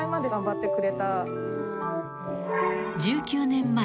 ［１９年前。